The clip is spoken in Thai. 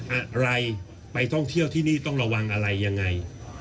อะไรไปท่องเที่ยวที่นี่ต้องระวังอะไรยังไง